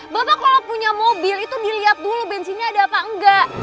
bapak kalau punya mobil itu dilihat dulu bensinnya ada apa enggak